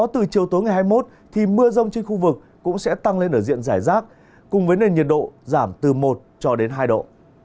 từ chiều tối ngày hai mươi một thì mưa rông trên khu vực cũng sẽ tăng lên ở diện giải rác cùng với nền nhiệt độ giảm từ một cho đến hai độ